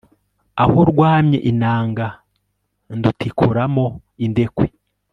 aho rwamye inanga ndutikura mo indekwe